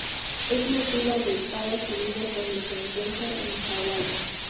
Es nativa de Estados Unidos donde se encuentra en Hawái.